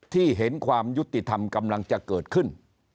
เห็นความยุติธรรมกำลังจะเกิดขึ้น